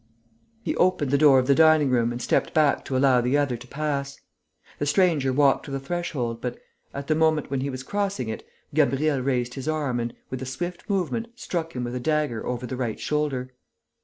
He opened the door of the dining room and stepped back to allow the other to pass. The stranger walked to the threshold, but, at the moment when he was crossing it, Gabriel raised his arm and, with a swift movement, struck him with a dagger over the right shoulder.